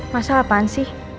masalah apaan sih